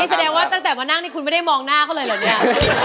แสดงว่าตั้งแต่มานั่งนี่คุณไม่ได้มองหน้าเขาเลยเหรอเนี่ย